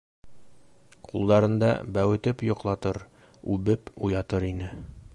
Ҡулдарында бәүетеп йоҡлатыр, үбеп уятыр ине.